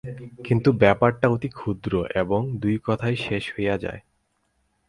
কিন্তু ব্যাপারটা অতি ক্ষুদ্র এবং দুই কথায় শেষ হইয়া যায়।